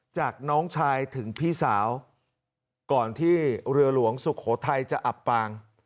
จากน้องชายถึงพี่สาวก่อนที่เรือหลวงสุโขทัยจะอับปาง